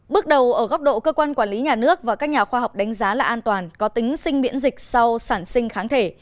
bước đầu ở góc độ cơ quan quản lý nhà nước và các nhà khoa học đánh giá là an toàn có tính sinh miễn dịch sau sản sinh kháng thể